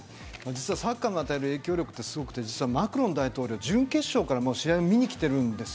サッカーの与える影響力ってすごくてマクロン大統領、準決勝から試合を見に来ているんです。